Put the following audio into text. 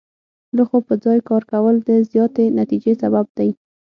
لږ خو په ځای کار کول د زیاتې نتیجې سبب دی.